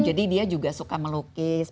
jadi dia juga suka melukis